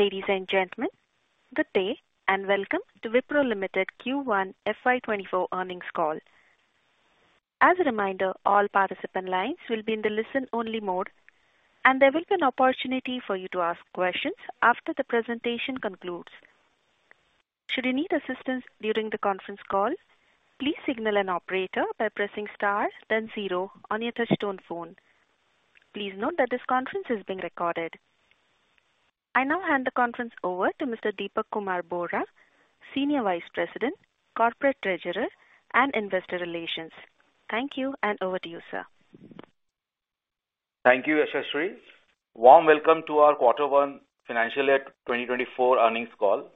Ladies and gentlemen, good day, and welcome to Wipro Limited Q1 FY24 earnings call. As a reminder, all participant lines will be in the listen-only mode, and there will be an opportunity for you to ask questions after the presentation concludes. Should you need assistance during the conference call, please signal an operator by pressing star, then 0 on your touchtone phone. Please note that this conference is being recorded. I now hand the conference over to Mr. Dipak Kumar Bohra, Senior Vice President, Corporate Treasurer, and Investor Relations. Thank you, and over to you, sir. Thank you, Yashaswi. Warm welcome to our quarter one financial year 2024 earnings call.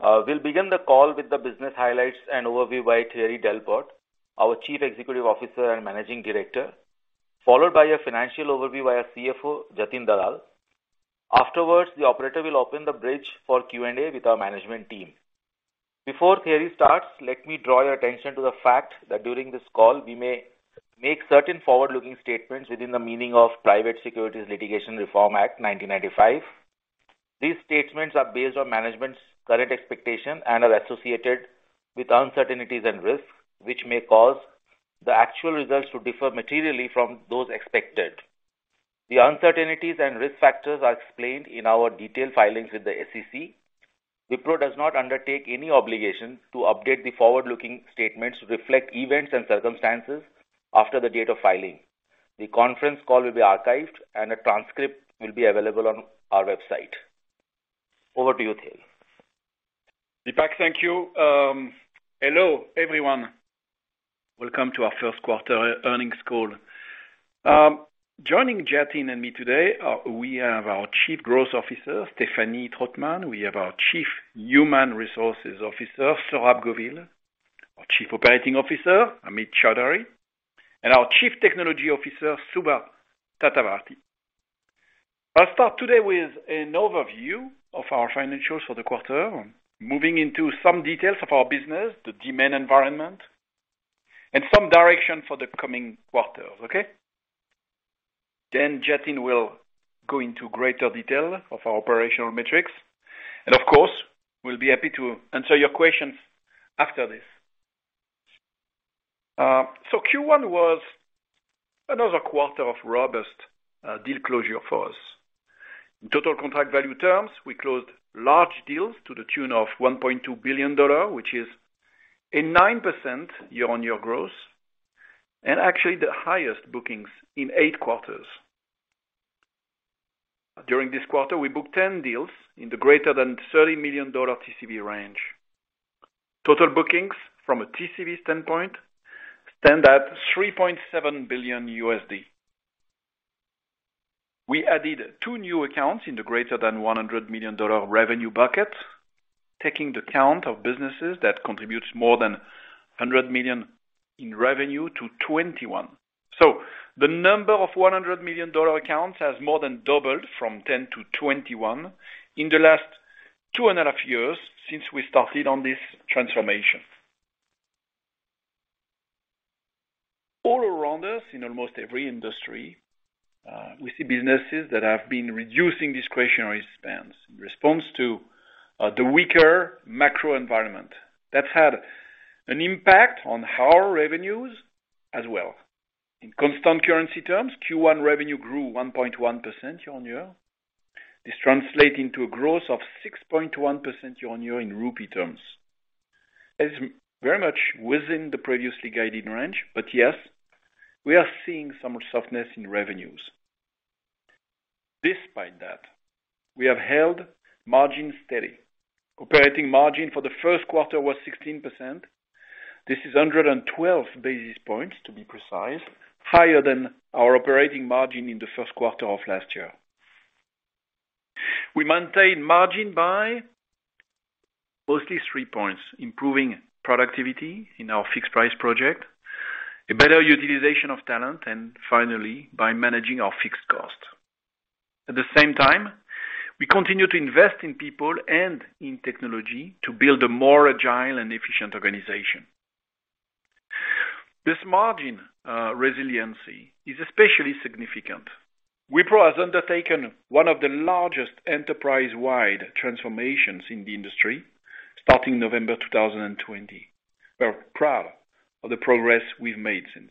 We'll begin the call with the business highlights and overview by Thierry Delaporte, our Chief Executive Officer and Managing Director, followed by a financial overview by our CFO, Jatin Dalal. Afterwards, the operator will open the bridge for Q&A with our management team. Before Thierry starts, let me draw your attention to the fact that during this call, we may make certain forward-looking statements within the meaning of Private Securities Litigation Reform Act of 1995. These statements are based on management's current expectations and are associated with uncertainties and risks, which may cause the actual results to differ materially from those expected. The uncertainties and risk factors are explained in our detailed filings with the SEC. Wipro does not undertake any obligation to update the forward-looking statements to reflect events and circumstances after the date of filing. The conference call will be archived, and a transcript will be available on our website. Over to you, Thierry. Deepak, thank you. Hello, everyone. Welcome to our first quarter earnings call. Joining Jatin and me today, we have our Chief Growth Officer, Stephanie Trautman. We have our Chief Human Resources Officer, Saurabh Govil, our Chief Operating Officer, Amit Choudhary, and our Chief Technology Officer, Subha Tatavarti. I'll start today with an overview of our financials for the quarter, moving into some details of our business, the demand environment, and some direction for the coming quarters. Okay? Jatin will go into greater detail of our operational metrics, and of course, we'll be happy to answer your questions after this. Q1 was another quarter of robust deal closure for us. In total contract value terms, we closed large deals to the tune of $1.2 billion, which is a 9% year-on-year growth, and actually the highest bookings in 8 quarters. During this quarter, we booked 10 deals in the greater than $30 million TCV range. Total bookings from a TCV standpoint stand at $3.7 billion. We added 2 new accounts in the greater than $100 million revenue bucket, taking the count of businesses that contributes more than $100 million in revenue to 21. The number of $100 million accounts has more than doubled from 10 to 21 in the last two and a half years since we started on this transformation. All around us, in almost every industry, we see businesses that have been reducing discretionary spends in response to the weaker macro environment. That's had an impact on our revenues as well. In constant currency terms, Q1 revenue grew 1.1% year-on-year. This translate into a growth of 6.1% year-on-year in rupee terms. It's very much within the previously guided range. Yes, we are seeing some softness in revenues. Despite that, we have held margins steady. Operating margin for the first quarter was 16%. This is 112 basis points, to be precise, higher than our operating margin in the Q1 of last year. We maintain margin by mostly three points: improving productivity in our fixed price project, a better utilization of talent, and finally, by managing our fixed costs. At the same time, we continue to invest in people and in technology to build a more agile and efficient organization. This margin resiliency is especially significant. Wipro has undertaken one of the largest enterprise-wide transformations in the industry, starting November 2020. We're proud of the progress we've made since.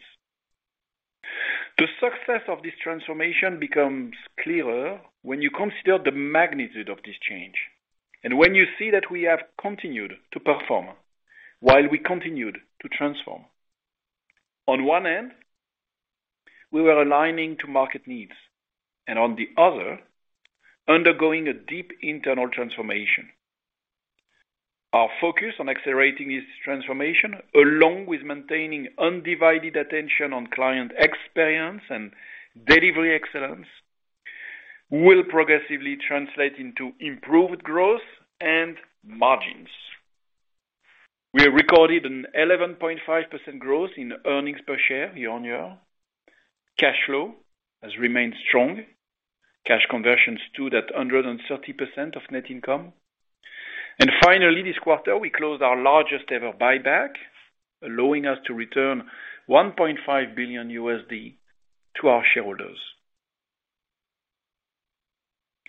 The success of this transformation becomes clearer when you consider the magnitude of this change, and when you see that we have continued to perform while we continued to transform. On one end, we were aligning to market needs, and on the other, undergoing a deep internal transformation. Our focus on accelerating this transformation, along with maintaining undivided attention on client experience and delivery excellence, will progressively translate into improved growth and margins. We have recorded an 11.5% growth in earnings per share year-over-year. Cash flow has remained strong. Cash conversion stood at 130% of net income. This quarter, we closed our largest ever buyback, allowing us to return $1.5 billion to our shareholders.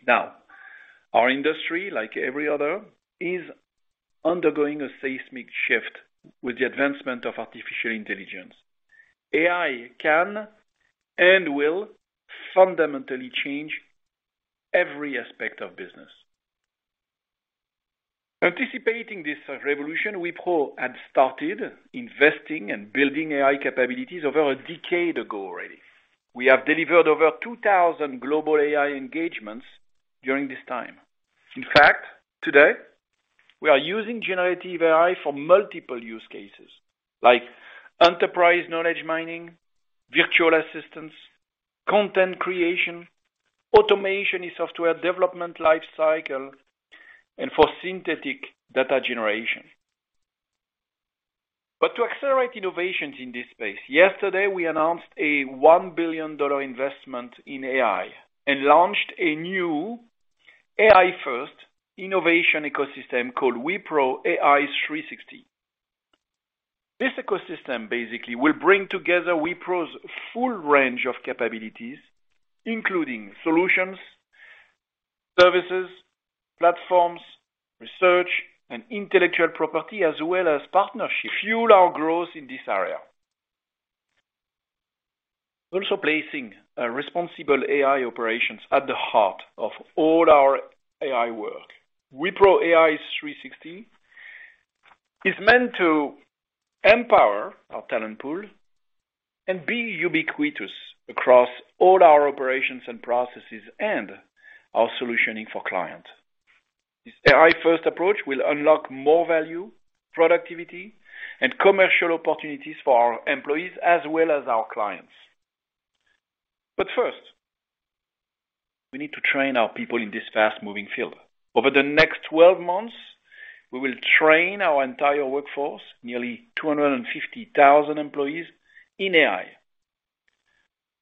Our industry, like every other, is undergoing a seismic shift with the advancement of artificial intelligence. AI can and will fundamentally change every aspect of business. Anticipating this revolution, Wipro had started investing and building AI capabilities over a decade ago already. We have delivered over 2,000 global AI engagements during this time. Today, we are using GenAI for multiple use cases, like enterprise knowledge mining, virtual assistants, content creation, automation in software development lifecycle, and for synthetic data generation. To accelerate innovations in this space, yesterday we announced a $1 billion investment in AI and launched a new AI-first innovation ecosystem called Wipro ai360. This ecosystem basically will bring together Wipro's full range of capabilities, including solutions, services, platforms, research, and intellectual property, as well as partnerships, to fuel our growth in this area. We're also placing responsible AI operations at the heart of all our AI work. Wipro ai360 is meant to empower our talent pool and be ubiquitous across all our operations and processes and our solutioning for clients. This AI-first approach will unlock more value, productivity, and commercial opportunities for our employees as well as our clients. First, we need to train our people in this fast-moving field. Over the next 12 months, we will train our entire workforce, nearly 250,000 employees, in AI.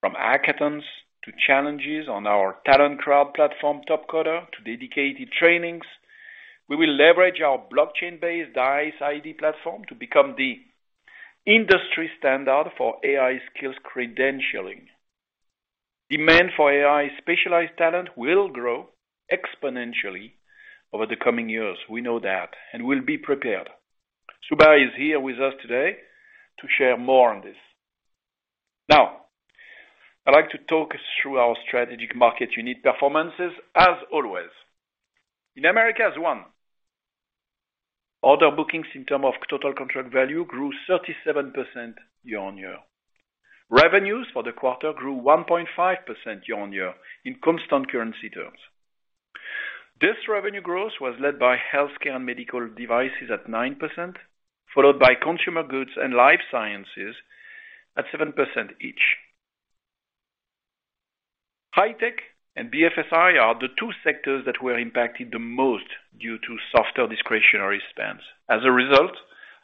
From hackathons to challenges on our talent crowd platform, Topcoder, to dedicated trainings. We will leverage our blockchain-based DICE ID platform to become the industry standard for AI skills credentialing. Demand for AI specialized talent will grow exponentially over the coming years. We know that, and we'll be prepared. Subba is here with us today to share more on this. I'd like to talk us through our strategic market unit performances, as always. In Americas, order bookings in terms of total contract value grew 37% year-on-year. Revenues for the quarter grew 1.5% year-on-year in constant currency terms. This revenue growth was led by healthcare and medical devices at 9%, followed by consumer goods and life sciences at 7% each. High tech and BFSI are the two sectors that were impacted the most due to softer discretionary spends. As a result,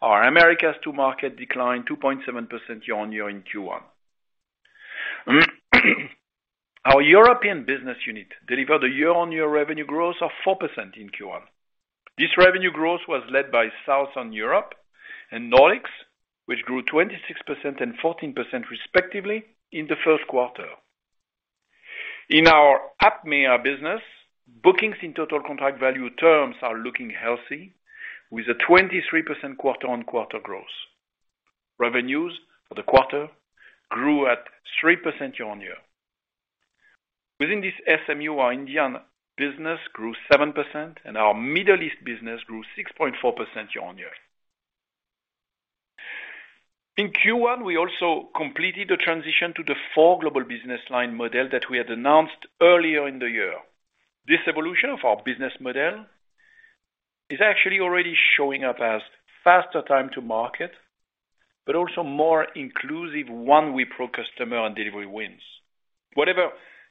our Americas 2 market declined 2.7% year-on-year in Q1. Our European business unit delivered a year-on-year revenue growth of 4% in Q1. This revenue growth was led by Southern Europe and Nordics, which grew 26% and 14% respectively in the Q1. In our APMEA business, bookings in total contract value terms are looking healthy, with a 23% quarter-on-quarter growth. Revenues for the quarter grew at 3% year-on-year. Within this SMU, our Indian business grew 7%, our Middle East business grew 6.4% year-on-year. In Q1, we also completed the transition to the four global business line model that we had announced earlier in the year. This evolution of our business model is actually already showing up as faster time to market, also more inclusive one Wipro customer on delivery wins. Whatever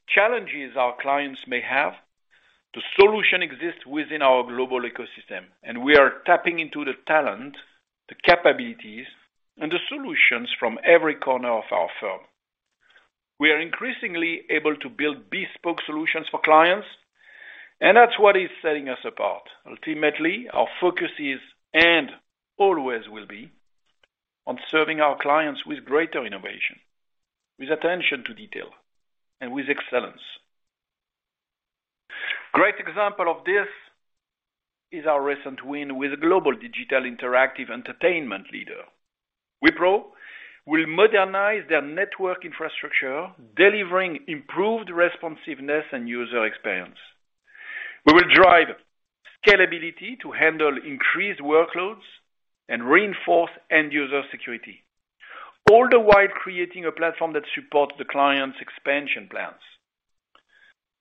challenges our clients may have, the solution exists within our global ecosystem, we are tapping into the talent, the capabilities, and the solutions from every corner of our firm. We are increasingly able to build bespoke solutions for clients, that's what is setting us apart. Ultimately, our focus is and always will be on serving our clients with greater innovation, with attention to detail, and with excellence. Great example of this is our recent win with a global digital interactive entertainment leader. Wipro will modernize their network infrastructure, delivering improved responsiveness and user experience. We will drive scalability to handle increased workloads and reinforce end-user security, all the while creating a platform that supports the client's expansion plans.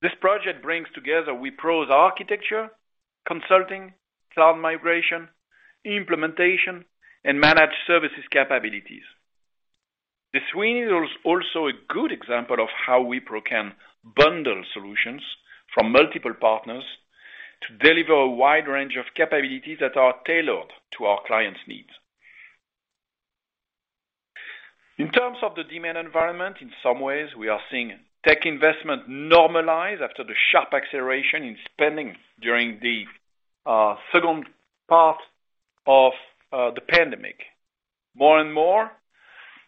This project brings together Wipro's architecture, consulting, cloud migration, implementation, and managed services capabilities. This win is also a good example of how Wipro can bundle solutions from multiple partners to deliver a wide range of capabilities that are tailored to our clients' needs. In terms of the demand environment, in some ways, we are seeing tech investment normalize after the sharp acceleration in spending during the second part of the pandemic. More and more,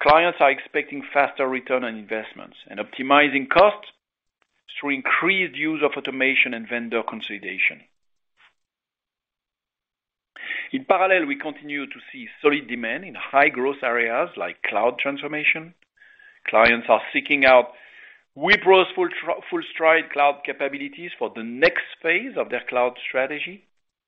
clients are expecting faster return on investments and optimizing costs through increased use of automation and vendor consolidation. In parallel, we continue to see solid demand in high-growth areas like cloud transformation. Clients are seeking out Wipro's FullStride Cloud capabilities for the next phase of their cloud strategy.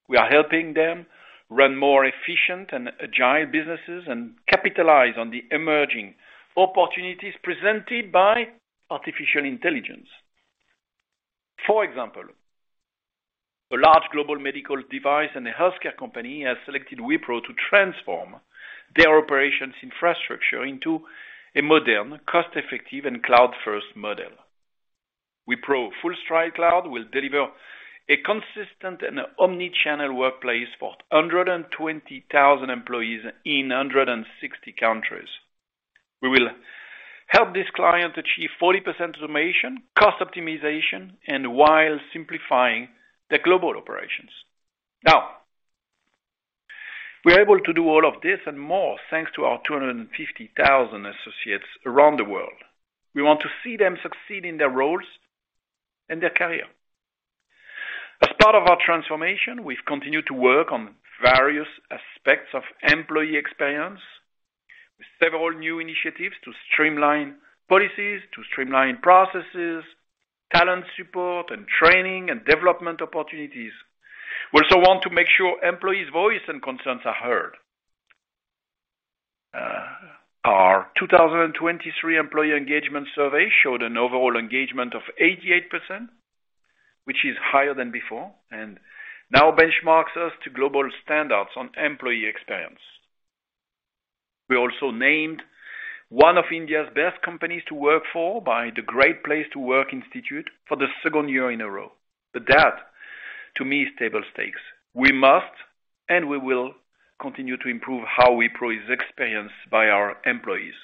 We are helping them run more efficient and agile businesses and capitalize on the emerging opportunities presented by artificial intelligence. For example, a large global medical device and a healthcare company has selected Wipro to transform their operations infrastructure into a modern, cost-effective, and cloud-first model. Wipro FullStride Cloud will deliver a consistent and omni-channel workplace for 120,000 employees in 160 countries. We will help this client achieve 40% automation, cost optimization, and while simplifying their global operations. Now, we are able to do all of this and more, thanks to our 250,000 associates around the world. We want to see them succeed in their roles and their career. As part of our transformation, we've continued to work on various aspects of employee experience, with several new initiatives to streamline policies, to streamline processes, talent support, and training and development opportunities. We also want to make sure employees' voice and concerns are heard. Our 2023 employee engagement survey showed an overall engagement of 88%, which is higher than before, and now benchmarks us to global standards on employee experience. We're also named one of India's Best Companies to work for by the Great Place to Work Institute for the second year in a row. That, to me, is table stakes. We must, and we will, continue to improve how Wipro is experienced by our employees.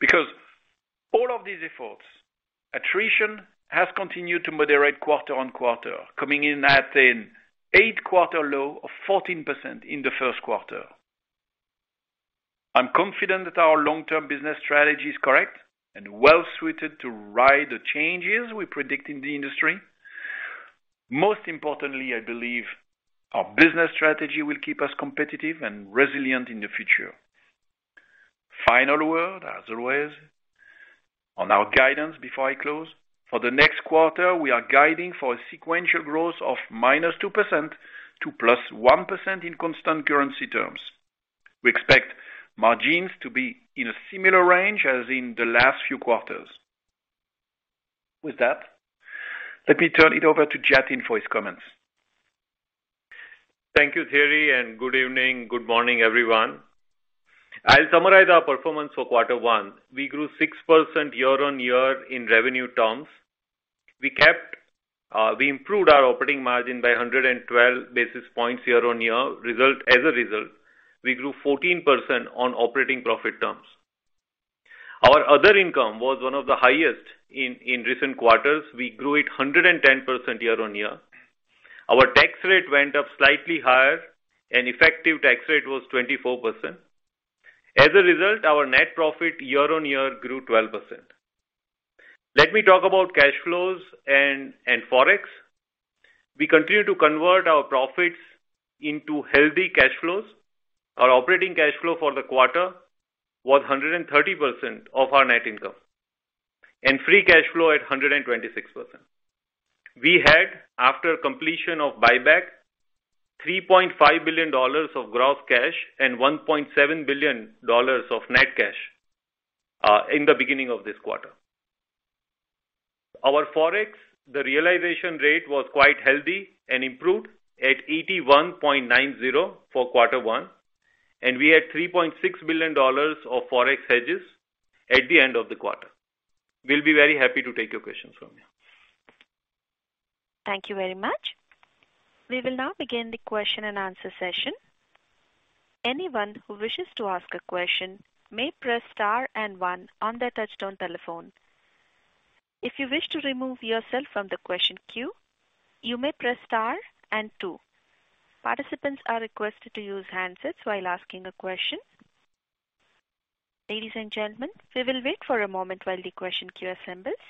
Because all of these efforts, attrition has continued to moderate quarter on quarter, coming in at an 8-quarter low of 14% in the Q1. I'm confident that our long-term business strategy is correct and well-suited to ride the changes we predict in the industry. Most importantly, I believe our business strategy will keep us competitive and resilient in the future. Final word, as always, on our guidance before I close. For the next quarter, we are guiding for a sequential growth of -2% to +1% in constant currency terms. We expect margins to be in a similar range as in the last few quarters. With that, let me turn it over to Jatin for his comments. Thank you, Thierry. Good evening, good morning, everyone. I'll summarize our performance for quarter one. We grew 6% year-over-year in revenue terms. We improved our operating margin by 112 basis points year-over-year, result. As a result, we grew 14% on operating profit terms. Our other income was one of the highest in recent quarters. We grew it 110% year-over-year. Our tax rate went up slightly higher, and effective tax rate was 24%. As a result, our net profit year-over-year grew 12%. Let me talk about cash flows and Forex. We continue to convert our profits into healthy cash flows. Our operating cash flow for the quarter was 130% of our net income, and free cash flow at 126%. We had, after completion of buyback, $3.5 billion of gross cash and $1.7 billion of net cash in the beginning of this quarter. Our Forex, the realization rate was quite healthy and improved at 81.90 for quarter one, and we had $3.6 billion of Forex hedges at the end of the quarter. We'll be very happy to take your questions from you. Thank you very much. We will now begin the question-and-answer session. Anyone who wishes to ask a question may press star and one on their touchtone telephone. If you wish to remove yourself from the question queue, you may press star and two. Participants are requested to use handsets while asking a question. Ladies and gentlemen, we will wait for a moment while the question queue assembles.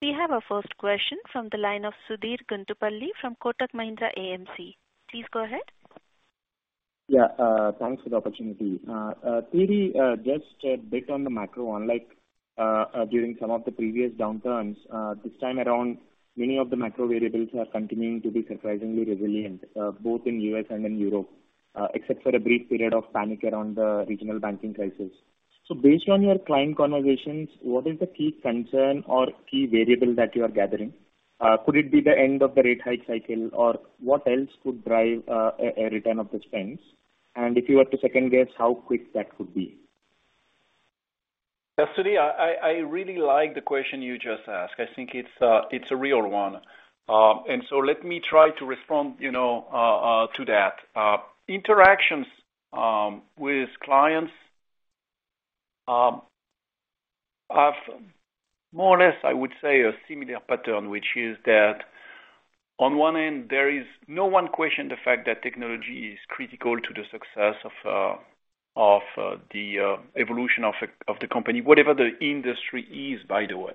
We have our first question from the line of Sudheer Guntupalli from Kotak Mahindra AMC. Please go ahead. Yeah, thanks for the opportunity. Thierry, just a bit on the macro, unlike during some of the previous downturns, this time around, many of the macro variables are continuing to be surprisingly resilient, both in U.S. and in Europe, except for a brief period of panic around the regional banking crisis. Based on your client conversations, what is the key concern or key variable that you are gathering? Could it be the end of the rate hike cycle, or what else could drive a return of the spends? If you were to second-guess, how quick that could be? Yes, Sudhir, I really like the question you just asked. I think it's a real one. let me try to respond, you know, to that. Interactions with clients have more or less, I would say, a similar pattern, which is that on one end, there is no one question the fact that technology is critical to the success of the evolution of the company, whatever the industry is, by the way.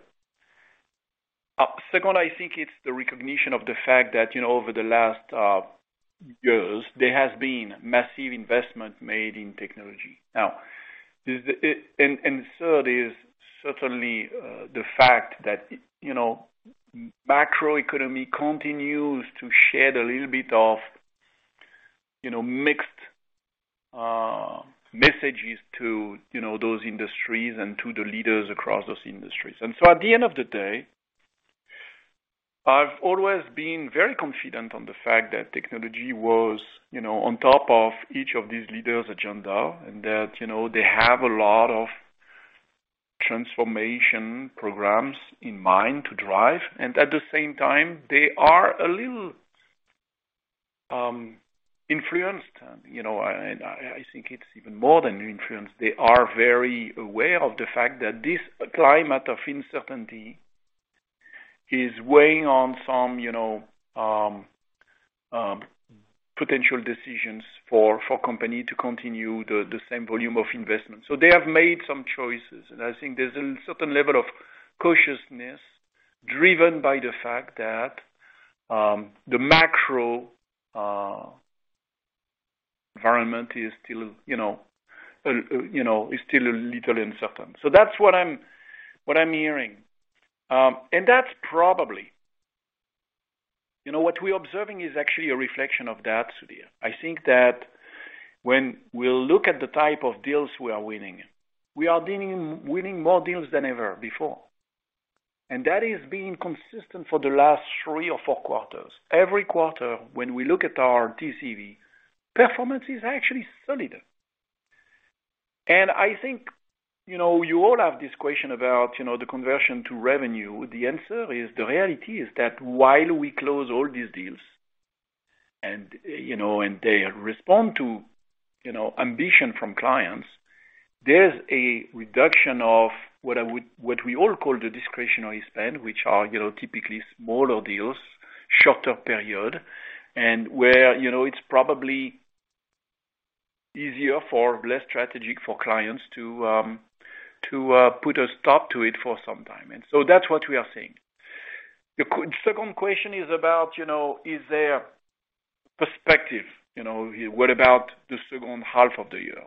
Second, I think it's the recognition of the fact that, you know, over the last years, there has been massive investment made in technology. Third is certainly, the fact that, you know, macroeconomy continues to shed a little bit of, you know, mixed messages to, you know, those industries and to the leaders across those industries. At the end of the day, I've always been very confident on the fact that technology was, you know, on top of each of these leaders' agenda, and that, you know, they have a lot of transformation programs in mind to drive, and at the same time, they are a little influenced. I think it's even more than influenced. They are very aware of the fact that this climate of uncertainty is weighing on some, you know, potential decisions for company to continue the same volume of investment. They have made some choices, and I think there's a certain level of cautiousness driven by the fact that, the macro environment is still, you know, is still a little uncertain. That's what I'm, what I'm hearing. That's probably, you know, what we're observing is actually a reflection of that, Sudheer. I think that when we look at the type of deals we are winning, we are winning more deals than ever before, and that is being consistent for the last three or four quarters. Every quarter, when we look at our TCV, performance is actually solid. I think, you know, you all have this question about, you know, the conversion to revenue. The answer is, the reality is that while we close all these deals and, you know, and they respond to, you know, ambition from clients, there's a reduction of what we all call the discretionary spend, which are, you know, typically smaller deals, shorter period, and where, you know, it's probably easier for less strategic for clients to put a stop to it for some time. That's what we are seeing. The second question is about, you know, is there perspective? You know, what about the second half of the year?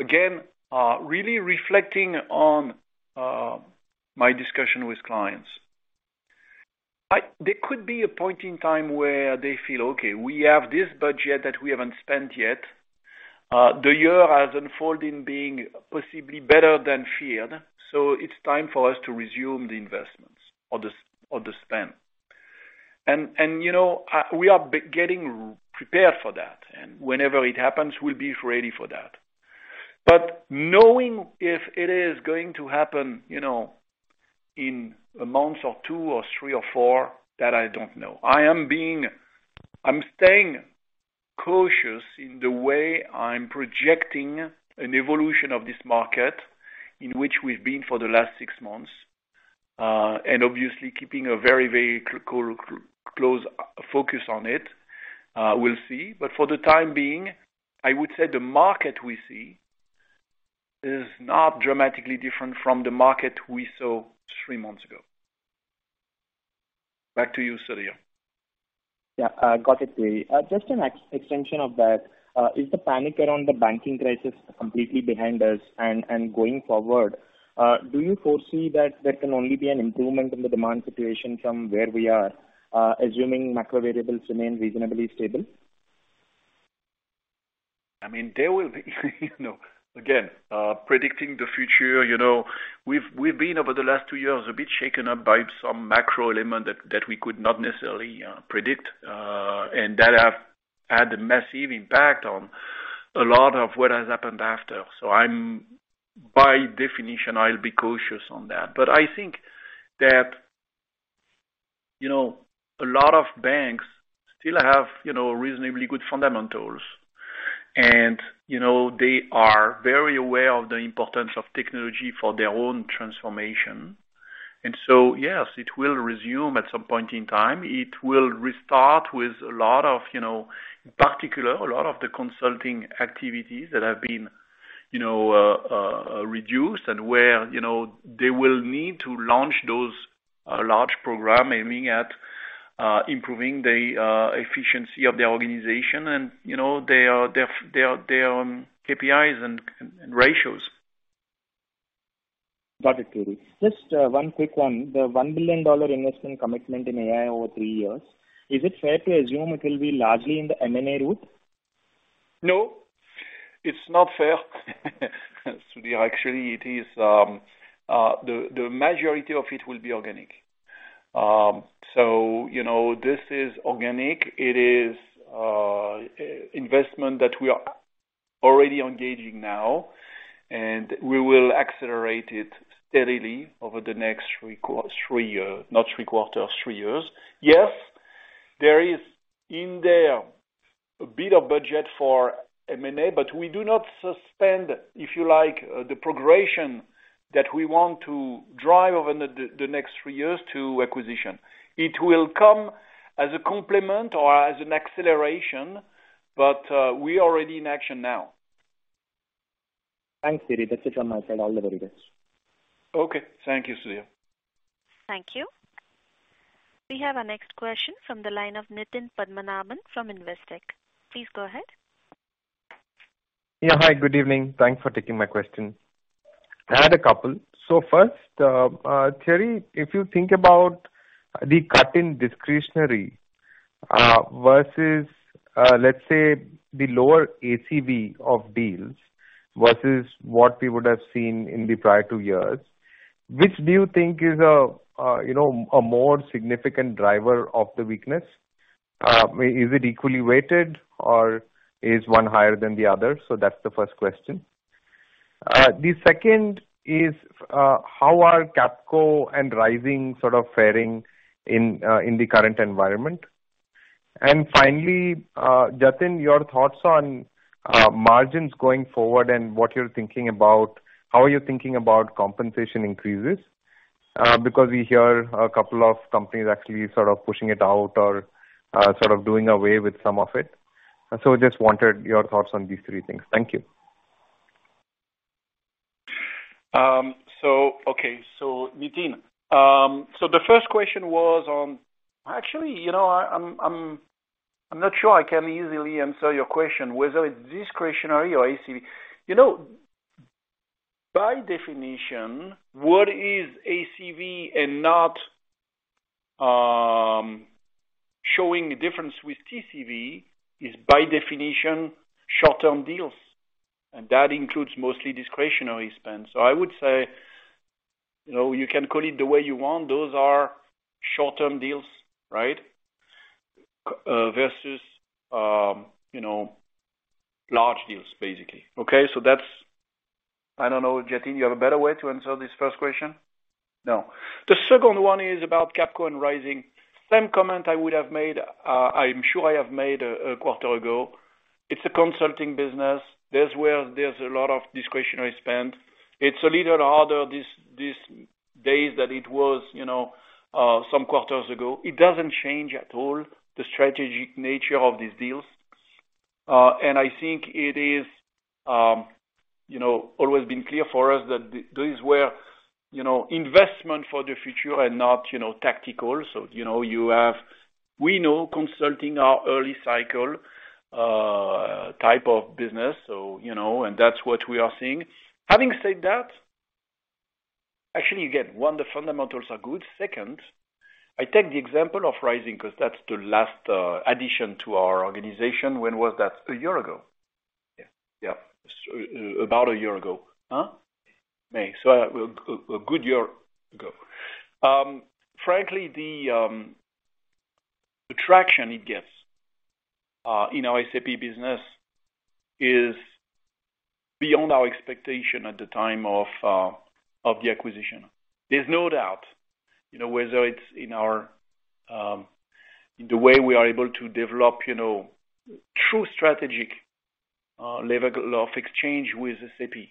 Again, really reflecting on my discussion with clients. There could be a point in time where they feel, "Okay, we have this budget that we haven't spent yet. The year has unfolded in being possibly better than feared, so it's time for us to resume the investments or the spend. You know, we are getting prepared for that, and whenever it happens, we'll be ready for that. Knowing if it is going to happen, you know, in a month or two, or three, or four, that I don't know. I'm staying cautious in the way I'm projecting an evolution of this market in which we've been for the last six months, and obviously, keeping a very, very close focus on it. We'll see, but for the time being, I would say the market we see is not dramatically different from the market we saw three months ago. Back to you, Sudhir. Yeah, got it, Thierry. Just an extension of that, is the panic around the banking crisis completely behind us? Going forward, do you foresee that there can only be an improvement in the demand situation from where we are, assuming macro variables remain reasonably stable? I mean, there will be, you know, again, predicting the future, you know, we've been, over the last two years, a bit shaken up by some macro element that we could not necessarily, predict, and that have had a massive impact on a lot of what has happened after. By definition, I'll be cautious on that. I think that, you know, a lot of banks still have, you know, reasonably good fundamentals. They are very aware of the importance of technology for their own transformation. Yes, it will resume at some point in time. It will restart with a lot of, you know, in particular, a lot of the consulting activities that have been, you know, reduced and where, you know, they will need to launch those large program aiming at improving the efficiency of the organization and, you know, their KPIs and ratios. Got it, Thierry. Just, one quick one: the $1 billion investment commitment in AI over three years, is it fair to assume it will be largely in the M&A route? It's not fair. Sudhir, actually, it is the majority of it will be organic. You know, this is organic. It is investment that we are already engaging now, and we will accelerate it steadily over the next three years, not three quarters, three years. Yes, there is in there a bit of budget for M&A, but we do not suspend, if you like, the progression that we want to drive over the next three years to acquisition. It will come as a complement or as an acceleration, but we are already in action now. Thanks, Thierry. That's it on my side. I'll leave it with you guys. Okay. Thank you, Sudhir. Thank you. We have our next question from the line of Nitin Padmanabhan from Investec. Please go ahead. Hi, good evening. Thanks for taking my question. I had a couple. First, Thierry, if you think about the cut in discretionary versus, let's say, the lower ACV of deals versus what we would have seen in the prior two years, which do you think is a, you know, a more significant driver of the weakness? Is it equally weighted, or is one higher than the other? That's the first question. The second is, how are Capco and Rizing sort of faring in the current environment? Finally, Jatin, your thoughts on margins going forward and how are you thinking about compensation increases? Because we hear a couple of companies actually sort of pushing it out or sort of doing away with some of it. Just wanted your thoughts on these three things. Thank you. Okay. Nitin, the first question was on. Actually, you know, I'm not sure I can easily answer your question, whether it's discretionary or ACV. You know, by definition, what is ACV and not showing a difference with TCV is by definition, short-term deals, and that includes mostly discretionary spend. I would say, you know, you can call it the way you want. Those are short-term deals, right? Versus, you know, large deals, basically. That's... I don't know, Jatin, you have a better way to answer this first question? No. The second one is about Capco and Rizing. Same comment I would have made, I'm sure I have made a quarter ago. It's a consulting business. There's where there's a lot of discretionary spend. It's a little harder this days than it was, you know, some quarters ago. It doesn't change at all the strategic nature of these deals. And I think it is, you know, always been clear for us that these were, you know, investment for the future and not, you know, tactical. You know, we know consulting are early cycle, type of business, so, you know, and that's what we are seeing. Having said that, actually, you get, one, the fundamentals are good. Second, I take the example of Rizing, because that's the last, addition to our organization. When was that? A year ago. Yeah, about a year ago, huh? May. A good year ago. Frankly, the traction it gets in our SAP business is beyond our expectation at the time of the acquisition. There's no doubt, you know, whether it's in our, in the way we are able to develop, you know, true strategic level of exchange with SAP,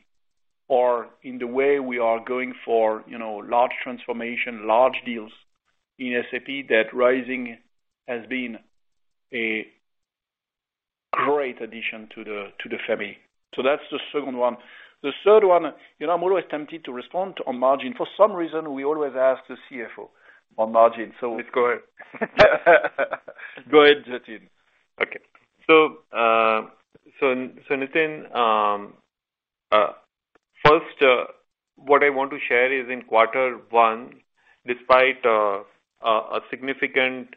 or in the way we are going for, you know, large transformation, large deals in SAP, that Rizing has been a great addition to the family. That's the second one. The third one, you know, I'm always tempted to respond on margin. For some reason, we always ask the CFO on margin. Go ahead, Jatin. Okay. Nitin, first, what I want to share is in quarter one, despite a significant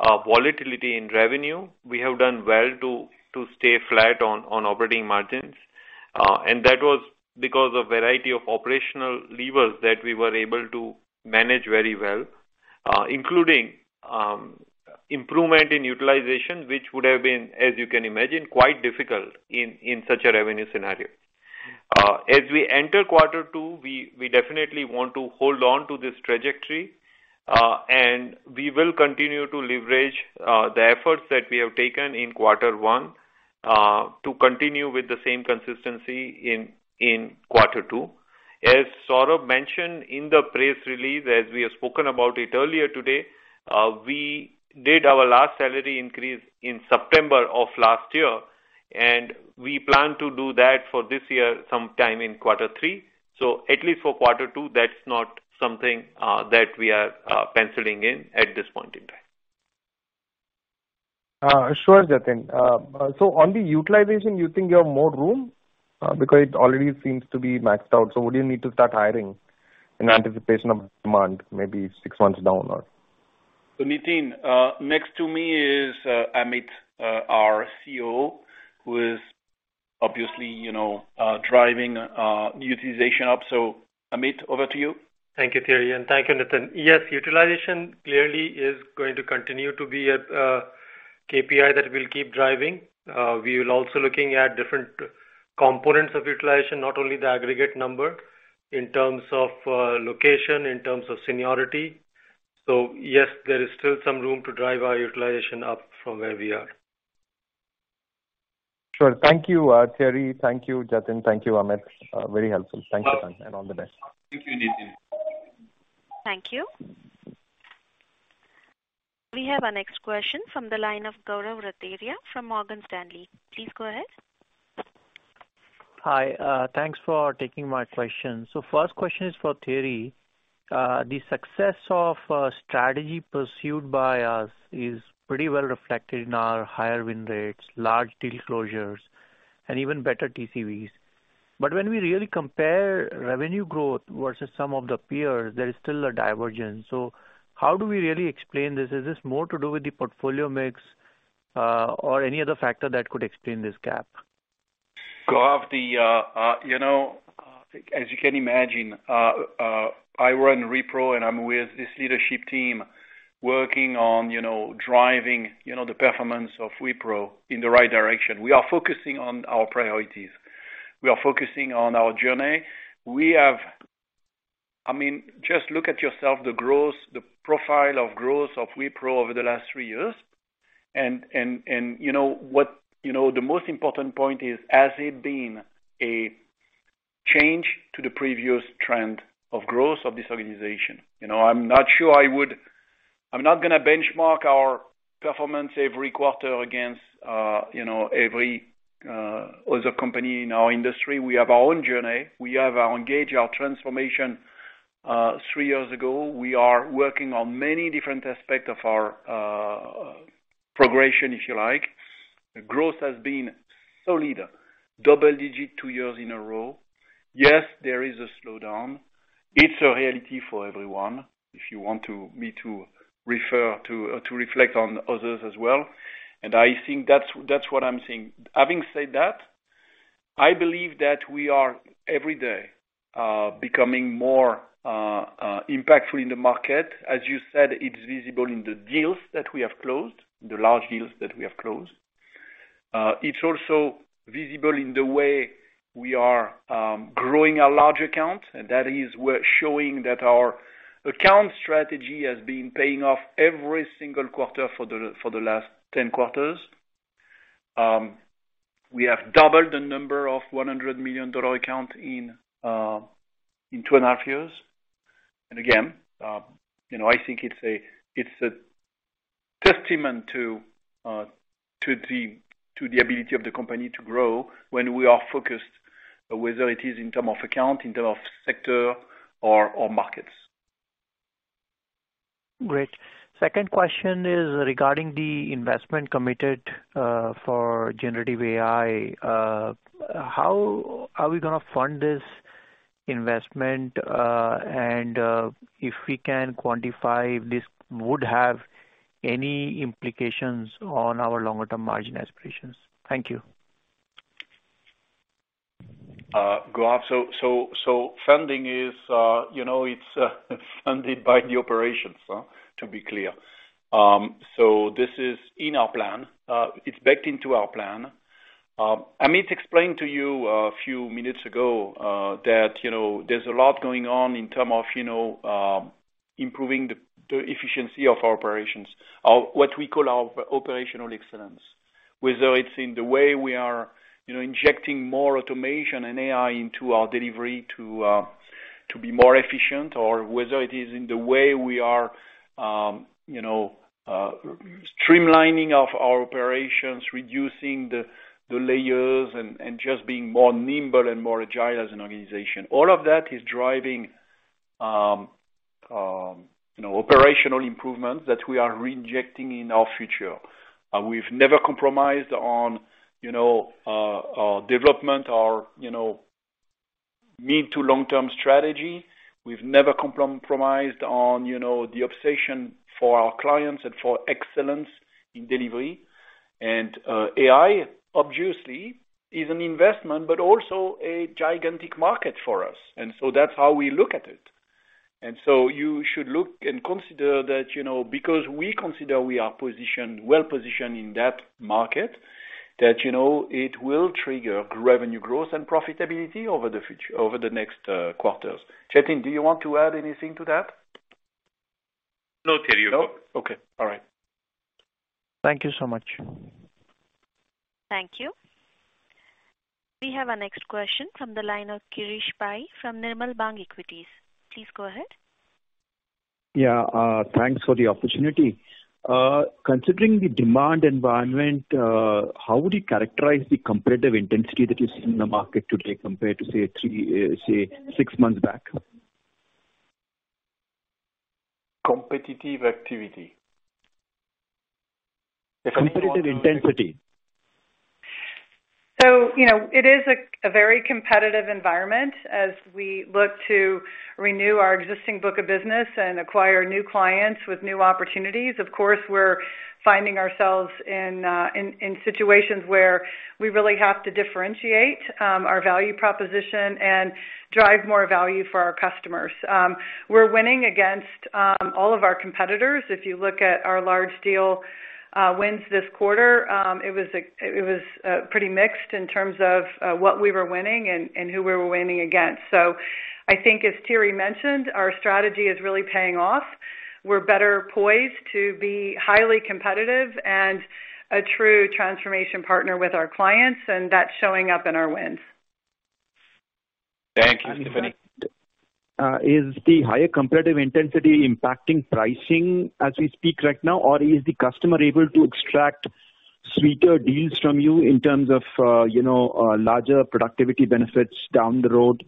volatility in revenue, we have done well to stay flat on operating margins. That was because of variety of operational levers that we were able to manage very well, including improvement in utilization, which would have been, as you can imagine, quite difficult in such a revenue scenario. As we enter quarter two, we definitely want to hold on to this trajectory, and we will continue to leverage the efforts that we have taken in quarter one to continue with the same consistency in quarter two. As Saurabh mentioned in the press release, as we have spoken about it earlier today, we did our last salary increase in September of last year, and we plan to do that for this year, sometime in quarter three. At least for quarter two, that's not something that we are penciling in at this point in time. Sure, Jatin. On the utilization, you think you have more room? Because it already seems to be maxed out, so would you need to start hiring in anticipation of demand, maybe six months down or? Nitin, next to me is Amit, our COO, who is obviously, you know, driving the utilization up. Amit, over to you. Thank you, Thierry, and thank you, Nitin. Yes, utilization clearly is going to continue to be a KPI that we'll keep driving. We will also looking at different components of utilization, not only the aggregate number, in terms of location, in terms of seniority. Yes, there is still some room to drive our utilization up from where we are. Sure. Thank you, Thierry. Thank you, Jatin. Thank you, Amit. Very helpful. Thank you, and all the best. Thank you, Nitin. Thank you. We have our next question from the line of Gaurav Rateria from Morgan Stanley. Please go ahead. Hi, thanks for taking my question. First question is for Thierry. The success of strategy pursued by us is pretty well reflected in our higher win rates, large deal closures, and even better TCVs. When we really compare revenue growth versus some of the peers, there is still a divergence. How do we really explain this? Is this more to do with the portfolio mix, or any other factor that could explain this gap? Gaurav, you know, as you can imagine, I run Wipro, and I'm with this leadership team working on, you know, driving, you know, the performance of Wipro in the right direction. We are focusing on our priorities. We are focusing on our journey. I mean, just look at yourself, the growth, the profile of growth of Wipro over the last three years. You know what? You know, the most important point is, has it been a change to the previous trend of growth of this organization? You know, I'm not sure I'm not gonna benchmark our performance every quarter against, you know, every other company in our industry. We have our own journey. We have our engage, our transformation, three years ago. We are working on many different aspects of our progression, if you like. Growth has been solid, double-digit, two years in a row. Yes, there is a slowdown. It's a reality for everyone, if you want to me to refer to reflect on others as well. I think that's what I'm saying. Having said that, I believe that we are, every day becoming more impactful in the market. As you said, it's visible in the deals that we have closed, the large deals that we have closed. It's also visible in the way we are growing our large account, and that is, we're showing that our account strategy has been paying off every single quarter for the, for the last 10 quarters. We have doubled the number of $100 million account in 2.5 years. You know, I think it's a testament to the ability of the company to grow when we are focused, whether it is in term of account, in term of sector or markets. Great. Second question is regarding the investment committed, for generative AI. How are we gonna fund this investment? If we can quantify, this would have any implications on our longer-term margin aspirations? Thank you. Gaurav, so funding is, you know, it's funded by the operations, to be clear. This is in our plan. It's baked into our plan. Amit explained to you a few minutes ago, that, you know, there's a lot going on in term of, you know, improving the efficiency of our operations, or what we call our operational excellence. Whether it's in the way we are, you know, injecting more automation and AI into our delivery to be more efficient, or whether it is in the way we are, you know, streamlining of our operations, reducing the layers and just being more nimble and more agile as an organization. All of that is driving, you know, operational improvements that we are reinjecting in our future. We've never compromised on, you know, development or, you know, mid to long-term strategy. We've never compromised on, you know, the obsession for our clients and for excellence in delivery. AI, obviously, is an investment, but also a gigantic market for us, and so that's how we look at it. So you should look and consider that, you know, because we consider we are positioned, well positioned in that market, that, you know, it will trigger revenue growth and profitability over the next quarters. Jatin, do you want to add anything to that? No, Thierry. No? Okay. All right. Thank you so much. Thank you. We have our next question from the line of Girish Pai, from Nirmal Bang Equities. Please go ahead. Yeah, thanks for the opportunity. Considering the demand environment, how would you characterize the competitive intensity that you see in the market today compared to, say, six months back? Competitive activity? Competitive intensity? You know, it is a very competitive environment as we look to renew our existing book of business and acquire new clients with new opportunities. Of course, we're finding ourselves in situations where we really have to differentiate our value proposition and drive more value for our customers. We're winning against all of our competitors. If you look at our large deal wins this quarter, it was pretty mixed in terms of what we were winning and who we were winning against. I think as Thierry mentioned, our strategy is really paying off. We're better poised to be highly competitive and a true transformation partner with our clients, and that's showing up in our wins. Thank you, Stephanie. Is the higher competitive intensity impacting pricing as we speak right now? Is the customer able to extract sweeter deals from you in terms of, you know, larger productivity benefits down the road?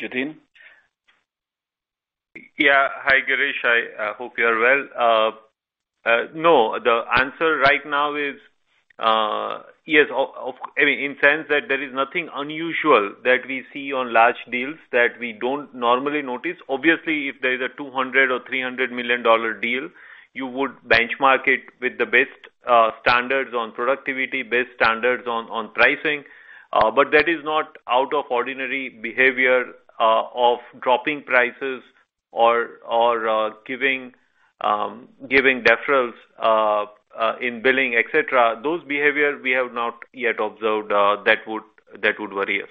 Jatin? Yeah. Hi, Girish. I hope you are well. No, the answer right now is yes, of, I mean, in sense that there is nothing unusual that we see on large deals that we don't normally notice. Obviously, if there is a $200 million or $300 million deal, you would benchmark it with the best standards on productivity, best standards on pricing. That is not out of ordinary behavior of dropping prices or giving deferrals in billing, et cetera. Those behaviors we have not yet observed that would worry us.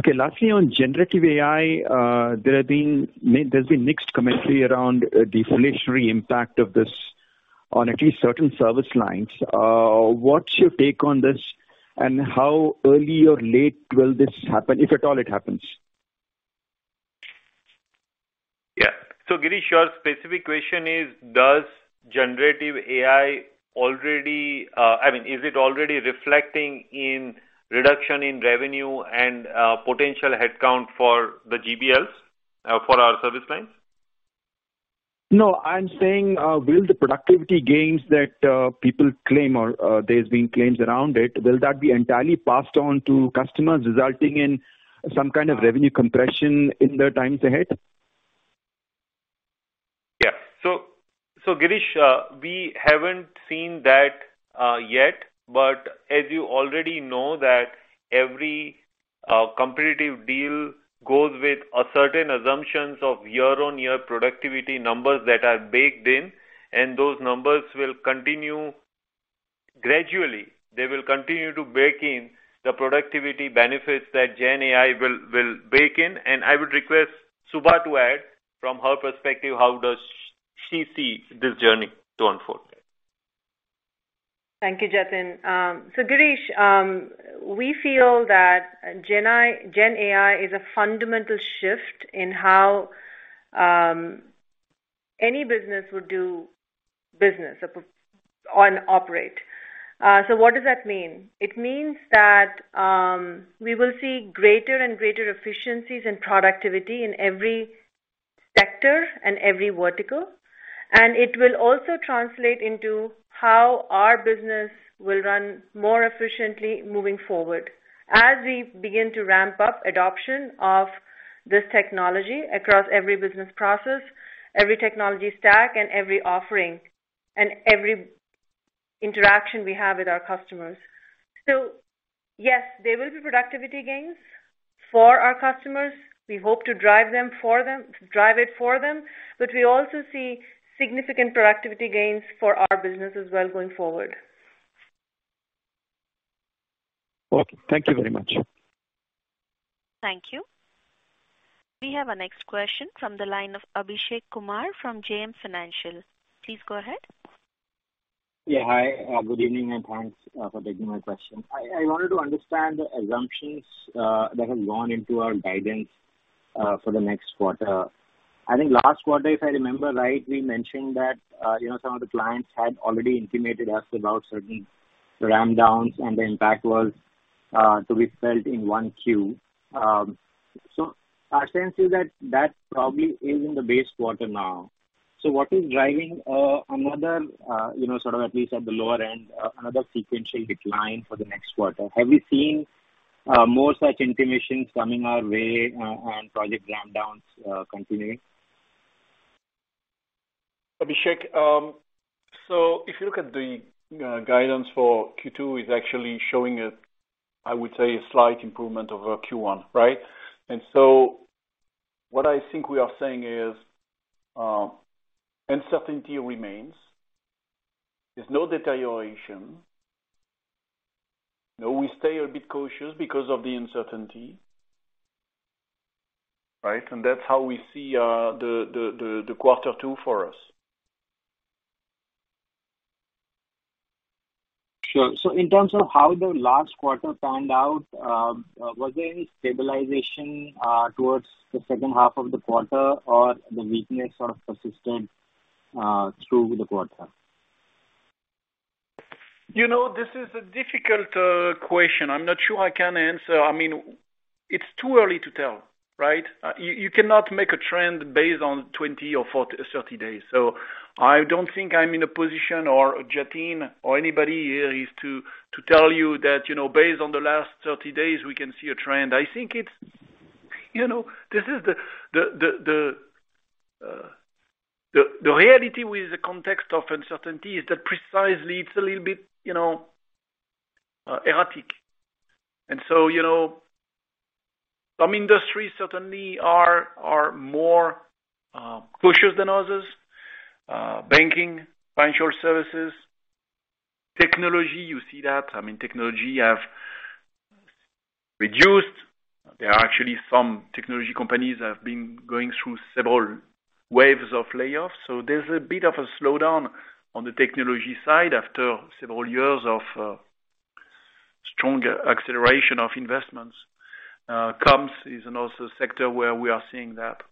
Okay, lastly, on GenAI, there's been mixed commentary around the inflationary impact of this on at least certain service lines. What's your take on this, and how early or late will this happen, if at all it happens? Yeah, Girish, your specific question is, does generative AI already, I mean, is it already reflecting in reduction in revenue and potential headcount for the GBLs for our service lines? No, I'm saying, will the productivity gains that people claim or there's been claims around it, will that be entirely passed on to customers, resulting in some kind of revenue compression in the times ahead? Yeah. Girish, we haven't seen that yet, but as you already know that every competitive deal goes with a certain assumptions of year-on-year productivity numbers that are baked in. Those numbers will continue gradually. They will continue to bake in the productivity benefits that GenAI will bake in. I would request Subha to add from her perspective, how does she see this journey to unfold? Thank you, Jatin. Girish, we feel that GenAI is a fundamental shift in how any business would do business or operate. What does that mean? It means that we will see greater and greater efficiencies and productivity in every sector and every vertical, and it will also translate into how our business will run more efficiently moving forward as we begin to ramp up adoption of this technology across every business process, every technology stack, and every offering, and every interaction we have with our customers. Yes, there will be productivity gains for our customers. We hope to drive them for them, to drive it for them, but we also see significant productivity gains for our business as well going forward. Okay. Thank you very much. Thank you. We have our next question from the line of Abhishek Kumar from JM Financial. Please go ahead. Yeah, hi, good evening, and thanks for taking my question. I wanted to understand the assumptions that have gone into our guidance for the next quarter. I think last quarter, if I remember right, we mentioned that, you know, some of the clients had already intimated us about certain ramp downs, and the impact was to be felt in 1Q. Our sense is that that probably is in the base quarter now. What is driving another, you know, sort of at least at the lower end, another sequential decline for the next quarter? Have we seen more such intimations coming our way and project ramp downs continuing? Abhishek, if you look at the guidance for Q2 is actually showing a, I would say, a slight improvement over Q1, right? What I think we are saying is uncertainty remains. There's no deterioration. You know, we stay a bit cautious because of the uncertainty, right? That's how we see the quarter two for us. Sure. In terms of how the last quarter panned out, was there any stabilization towards the second half of the quarter or the weakness sort of persisted through the quarter?... You know, this is a difficult question. I'm not sure I can answer. I mean, it's too early to tell, right? You cannot make a trend based on 20 or 30 days. I don't think I'm in a position or Jatin or anybody here is to tell you that, you know, based on the last 30 days, we can see a trend. I think it's, you know, this is the reality with the context of uncertainty is that precisely it's a little bit, you know, erratic. You know, some industries certainly are more cautious than others. Banking, financial services, technology, you see that. I mean, technology have reduced. There are actually some technology companies that have been going through several waves of layoffs, so there's a bit of a slowdown on the technology side after several years of strong acceleration of investments. Comms is also a sector where we are seeing that.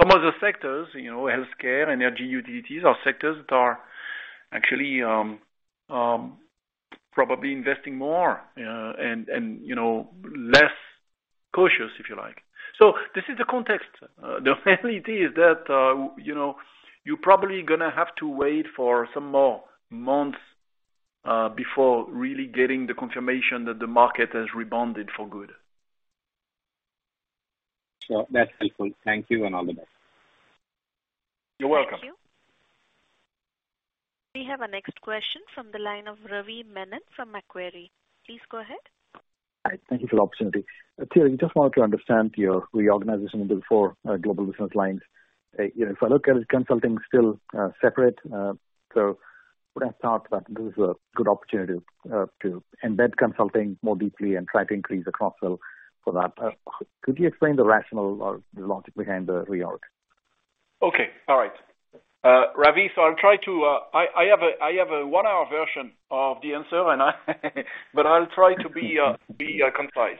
Some other sectors, you know, healthcare, energy, utilities, are sectors that are actually probably investing more and, you know, less cautious, if you like. This is the context. The reality is that, you know, you're probably gonna have to wait for some more months before really getting the confirmation that the market has rebounded for good. That's helpful. Thank you and all the best. You're welcome. Thank you. We have our next question from the line of Ravi Menon from Macquarie. Please go ahead. Hi, thank you for the opportunity. Thierry, I just wanted to understand your reorganization into four global business lines. You know, if I look at it, consulting is still separate. Would have thought that this is a good opportunity to embed consulting more deeply and try to increase the cross-sell for that. Could you explain the rationale or the logic behind the reorg? Okay. All right. Ravi, I have a 1-hour version of the answer, and I'll try to be concise.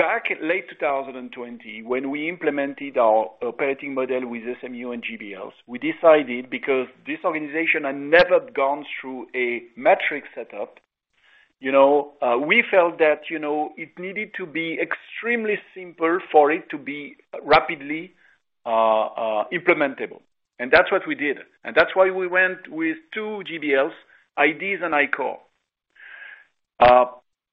Back in late 2020, when we implemented our operating model with SMU and GBLs, we decided, because this organization had never gone through a metric setup, you know, we felt that, you know, it needed to be extremely simple for it to be rapidly implementable, that's what we did. That's why we went with two GBLs, iDEAS and iCORE.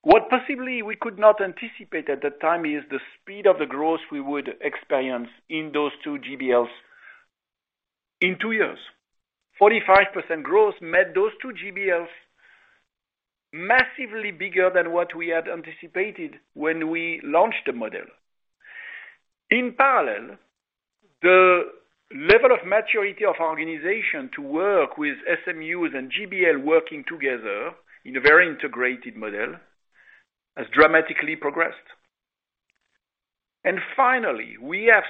What possibly we could not anticipate at that time is the speed of the growth we would experience in those two GBLs in two years. 45% growth made those two GBLs massively bigger than what we had anticipated when we launched the model. In parallel, the level of maturity of our organization to work with SMUs and GBL working together in a very integrated model, has dramatically progressed. Finally, we have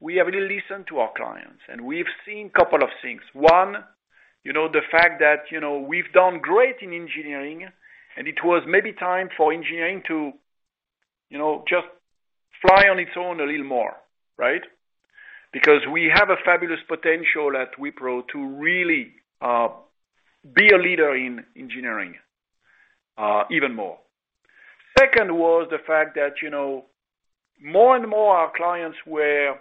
really listened to our clients, and we've seen couple of things. One, you know, the fact that, you know, we've done great in engineering, and it was maybe time for engineering to, you know, just fly on its own a little more, right? We have a fabulous potential at Wipro to really be a leader in engineering even more. Second was the fact that, you know, more and more our clients were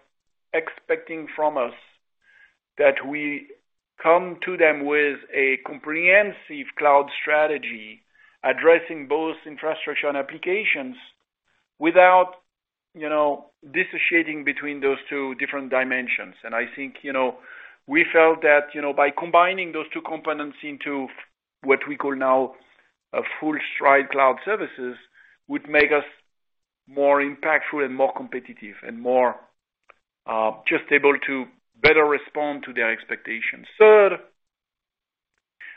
expecting from us that we come to them with a comprehensive cloud strategy, addressing both infrastructure and applications, without, you know, dissociating between those two different dimensions. I think, you know, we felt that, you know, by combining those two components into what we call now a FullStride Cloud Services, would make us more impactful and more competitive and more just able to better respond to their expectations. Third,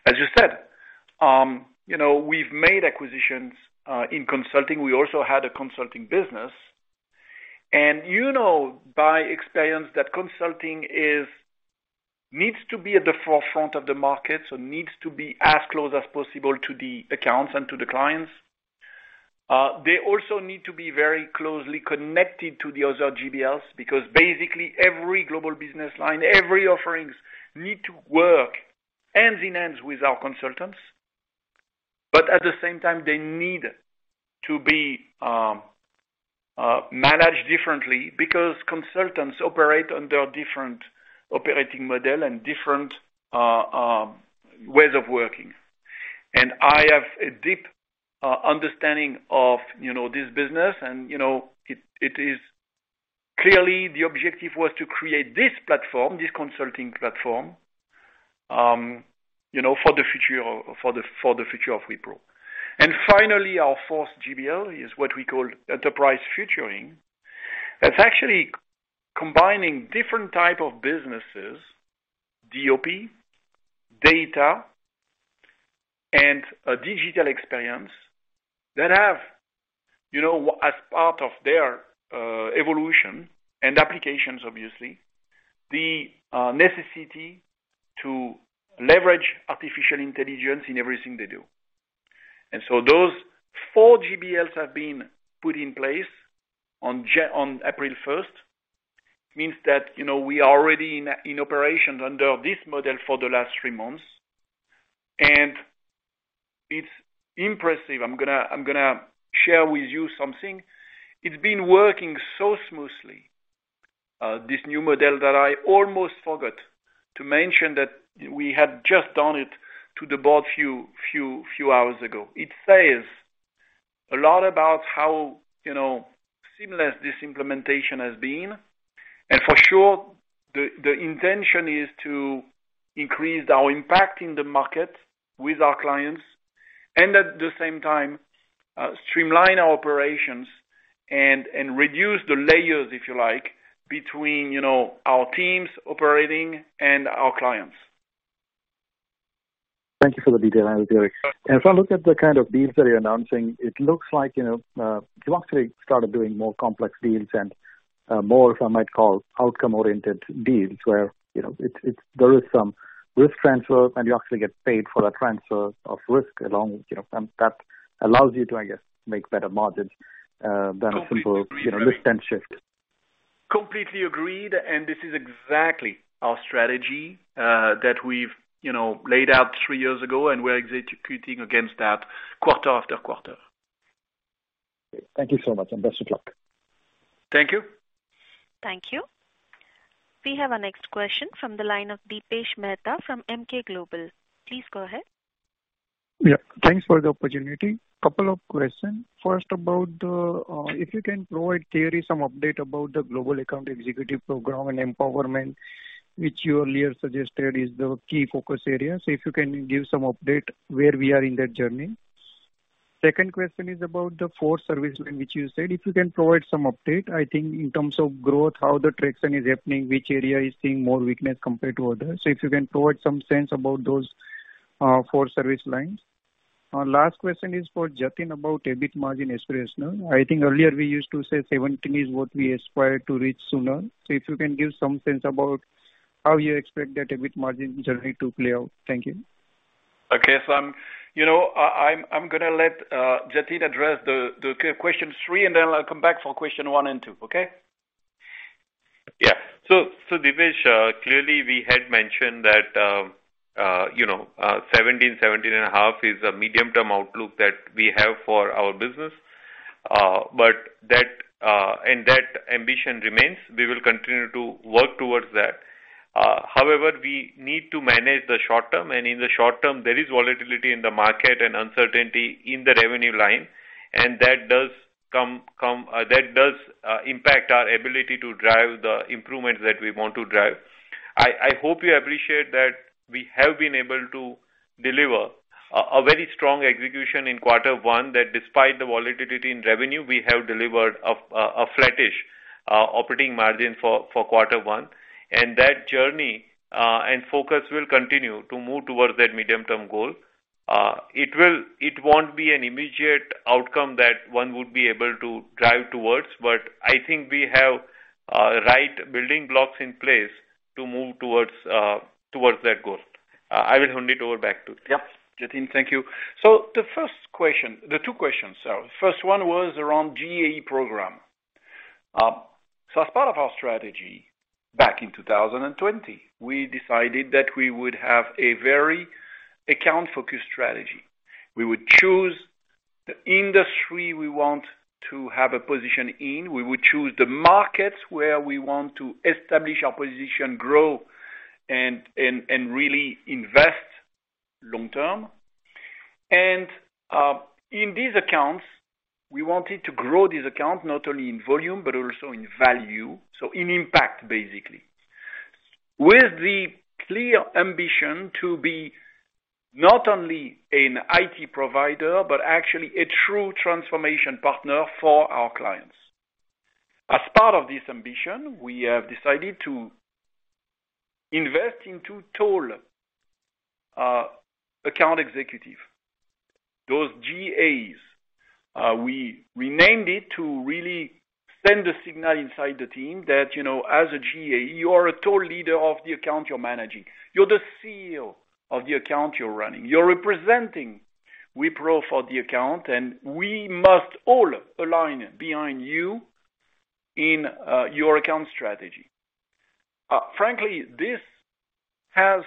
as you said, you know, we've made acquisitions in consulting. We also had a consulting business. You know, by experience, that consulting needs to be at the forefront of the market, so needs to be as close as possible to the accounts and to the clients. They also need to be very closely connected to the other GBLs, because basically every global business line, every offerings, need to work hand in hand with our consultants. At the same time, they need to be managed differently because consultants operate under a different operating model and different ways of working. I have a deep understanding of, you know, this business, and, you know, it is clearly, the objective was to create this platform, this consulting platform, you know, for the future of, for the, for the future of Wipro. Finally, our fourth GBL is what we call Enterprise Futuring. It's actually combining different type of businesses, DOP, data, and a digital experience that have, you know, as part of their evolution and applications, obviously, the necessity to leverage artificial intelligence in everything they do. Those four GBLs have been put in place on April first. That, you know, we are already in operation under this model for the last three months, and it's impressive. I'm gonna share with you something. It's been working so smoothly, this new model, that I almost forgot to mention that we had just done it to the board few hours ago. It says a lot about how, you know, seamless this implementation has been. For sure, the intention is to increase our impact in the market with our clients and at the same time, streamline our operations and reduce the layers, if you like, between, you know, our teams operating and our clients. Thank you for the detail, Thierry. If I look at the kind of deals that you're announcing, it looks like, you know, you actually started doing more complex deals and more, if I might call, outcome-oriented deals, where, you know, it's there is some risk transfer, and you actually get paid for the transfer of risk along, you know, and that allows you to, I guess, make better margins than a simple, you know, risk-ten shift. Completely agreed, this is exactly our strategy, that we've, you know, laid out three years ago, and we're executing against that quarter after quarter. Thank you so much, and best of luck. Thank you. Thank you. We have our next question from the line of Dipesh Mehta from Emkay Global. Please go ahead. Yeah, thanks for the opportunity. Couple of questions. First, about if you can provide clearly some update about the global account executive program and empowerment, which you earlier suggested is the key focus areas. If you can give some update where we are in that journey. Second question is about the four service line, which you said, if you can provide some update, I think in terms of growth, how the traction is happening, which area is seeing more weakness compared to others. If you can provide some sense about those four service lines. Last question is for Jatin, about EBIT margin aspirational. I think earlier we used to say 17% is what we aspire to reach sooner. If you can give some sense about how you expect that EBIT margin journey to play out. Thank you. Okay. you know, I'm gonna let Jatin address the question 3, and then I'll come back for question 1 and 2. Okay? Yeah. Deepesh, clearly we had mentioned that, you know, 17-17.5% is a medium-term outlook that we have for our business, but that, and that ambition remains. We will continue to work towards that. However, we need to manage the short term, and in the short term, there is volatility in the market and uncertainty in the revenue line, and that does impact our ability to drive the improvement that we want to drive. I hope you appreciate that we have been able to deliver a very strong execution in quarter one, that despite the volatility in revenue, we have delivered a flattish operating margin for quarter one, and that journey and focus will continue to move towards that medium-term goal. It won't be an immediate outcome that one would be able to drive towards. I think we have right building blocks in place to move towards towards that goal. I will hand it over back to you. Yep. Jatin, thank you. The first question. First one was around GA program. As part of our strategy back in 2020, we decided that we would have a very account-focused strategy. We would choose the industry we want to have a position in. We would choose the markets where we want to establish our position, grow, and really invest long term. In these accounts, we wanted to grow these accounts not only in volume, but also in value, so in impact, basically. With the clear ambition to be not only an IT provider, but actually a true transformation partner for our clients. As part of this ambition, we have decided to invest in two tall account executive, those GAs. We renamed it to really send a signal inside the team that, you know, as a GA, you are a tall leader of the account you're managing. You're the CEO of the account you're running. You're representing Wipro for the account. We must all align behind you in your account strategy. Frankly, this has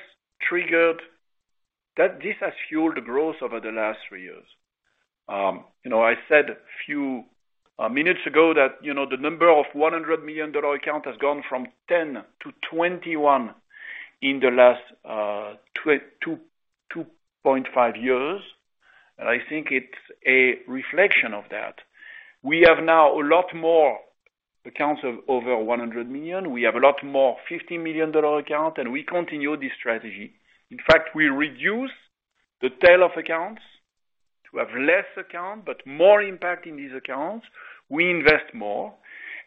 fueled the growth over the last three years. You know, I said a few minutes ago that, you know, the number of $100 million account has gone from 10 to 21 in the last 2.5 years. I think it's a reflection of that. We have now a lot more accounts of over $100 million. We have a lot more $50 million account, and we continue this strategy. In fact, we reduce the tail of accounts to have less account, but more impact in these accounts. We invest more,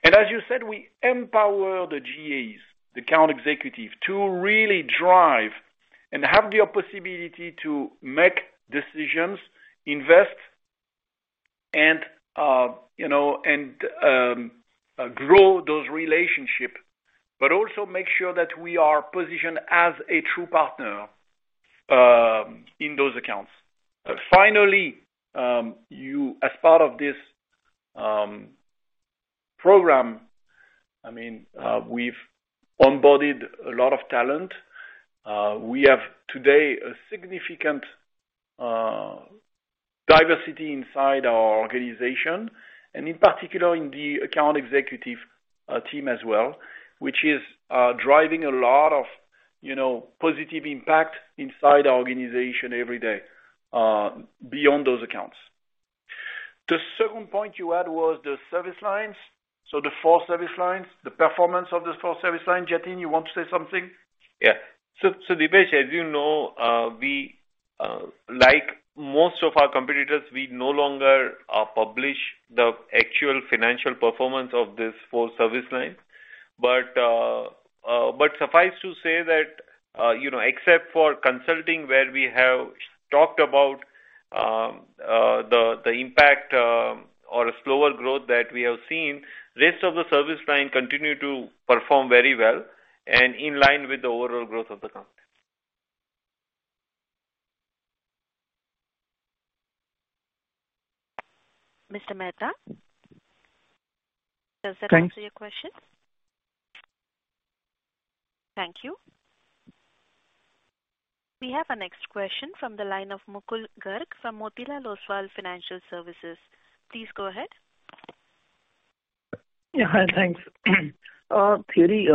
and as you said, we empower the GAs, the account executives, to really drive and have the possibility to make decisions, invest, and, you know, and, grow those relationship, but also make sure that we are positioned as a true partner in those accounts. Finally, you as part of this program, I mean, we've onboarded a lot of talent. We have today a significant diversity inside our organization, and in particular in the account executive team as well, which is driving a lot of, you know, positive impact inside our organization every day, beyond those accounts. The second point you had was the service lines, so the four service lines, the performance of those four service lines. Jatin, you want to say something? Yeah. Dipesh, as you know, we like most of our competitors, we no longer publish the actual financial performance of these four service lines. Suffice to say that, you know, except for consulting where we have talked about the impact or a slower growth that we have seen, rest of the service line continue to perform very well and in line with the overall growth of the company. Mr. Mehta, does that answer your question? Thank you. We have our next question from the line of Mukul Garg from Motilal Oswal Financial Services. Please go ahead. Yeah. Hi, thanks. Thierry,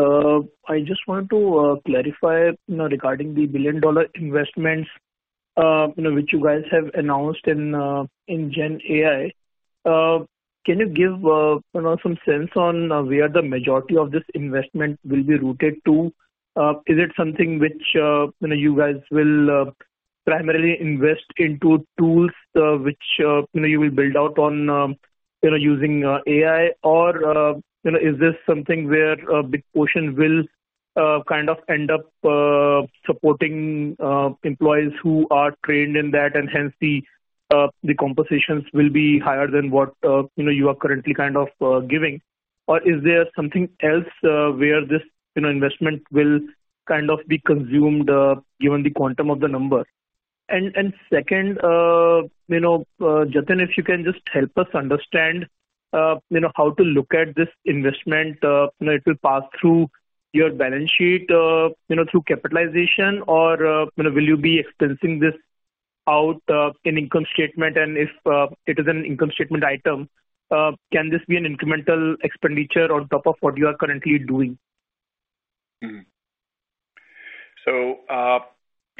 I just want to clarify, you know, regarding the billion-dollar investments, you know, which you guys have announced in GenAI. Can you give, you know, some sense on where the majority of this investment will be rooted to? Is it something which, you know, you guys will primarily invest into tools, which, you know, you will build out on, you know, using AI? Is this something where a big portion will kind of end up supporting employees who are trained in that, and hence the compensations will be higher than what, you know, you are currently kind of giving? Is there something else, where this, you know, investment will kind of be consumed, given the quantum of the number? Second, you know, Jatin, if you can just help us understand, you know, how to look at this investment. You know, it will pass through your balance sheet, you know, through capitalization, or, you know, will you be expensing this out, in income statement? If, it is an income statement item, can this be an incremental expenditure on top of what you are currently doing? You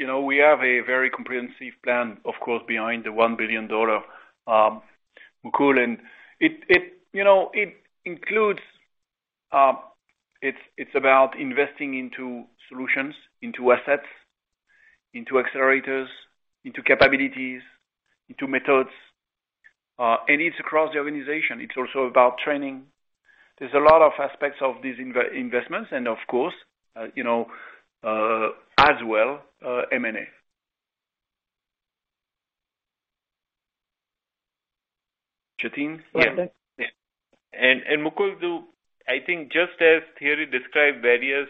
know, we have a very comprehensive plan, of course, behind the $1 billion, Mukul, and it, you know, it includes, it's about investing into solutions, into assets, into accelerators, into capabilities, into methods, and it's across the organization. It's also about training. There's a lot of aspects of these investments, and of course, you know, as well, M&A. Jatin? Yeah. And Mukul, I think just as Thierry described various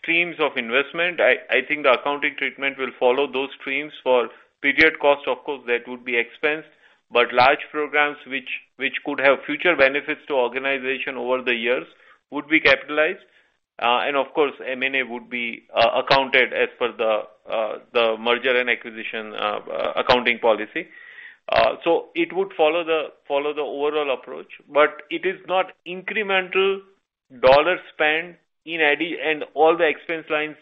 streams of investment, I think the accounting treatment will follow those streams. For period cost, of course, that would be expense, but large programs which could have future benefits to organization over the years, would be capitalized. And of course, M&A would be accounted as per the merger and acquisition accounting policy. So it would follow the overall approach, but it is not incremental dollar spend in ID, and all the expense lines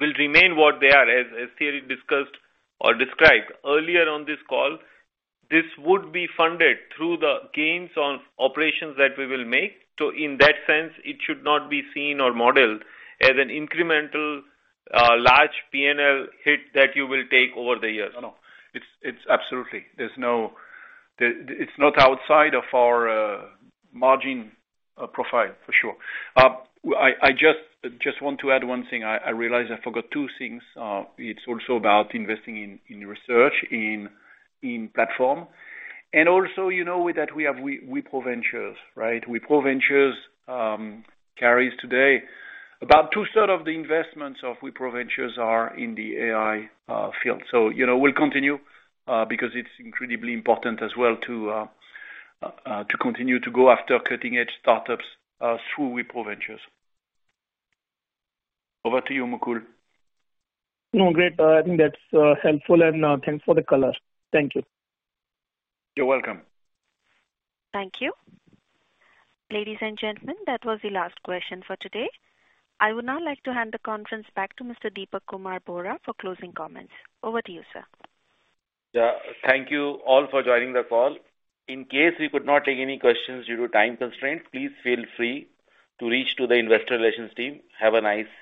will remain what they are. As Thierry discussed or described earlier on this call, this would be funded through the gains on operations that we will make. In that sense, it should not be seen or modeled as an incremental large P&L hit that you will take over the years. No, no, it's absolutely. It's not outside of our margin profile, for sure. I just want to add one thing. I realized I forgot 2 things. It's also about investing in research, in platform, and also, you know, with that we have Wipro Ventures, right? Wipro Ventures carries today, about 2/3 of the investments of Wipro Ventures are in the AI field. You know, we'll continue because it's incredibly important as well to continue to go after cutting-edge startups through Wipro Ventures. Over to you, Mukul. No, great. I think that's helpful, and thanks for the color. Thank you. You're welcome. Thank you. Ladies and gentlemen, that was the last question for today. I would now like to hand the conference back to Mr. Dipak Kumar Bohra for closing comments. Over to you, sir. Yeah. Thank you all for joining the call. In case we could not take any questions due to time constraints, please feel free to reach to the investor relations team. Have a nice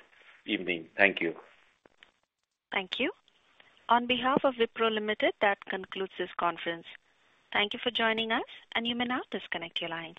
evening. Thank you. Thank you. On behalf of Wipro Limited, that concludes this conference. Thank you for joining us, and you may now disconnect your lines.